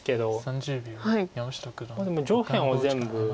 でも上辺を全部。